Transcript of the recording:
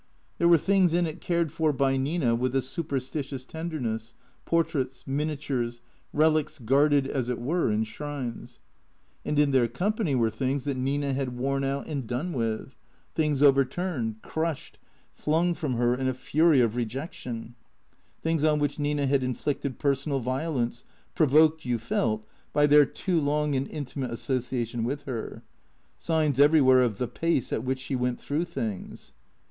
There were things in it cared for by Nina with a superstitious tenderness, portraits, miniatures, relics guarded, as it were, in shrines. And in their company were things that Nina had worn out and done with; things overturned, crushed, flung from her in a fury of rejection; things on which Nina had inflicted personal violence, provoked, you felt, by their too long and intimate association with her; signs everywhere of the pace at which she went through things.